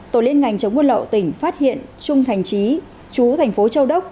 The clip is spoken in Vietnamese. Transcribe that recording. tổ liên ngành chống buôn lậu tỉnh phát hiện trung thành trí chú thành phố châu đốc